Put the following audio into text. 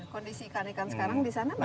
kondisi ikan ikan sekarang di sana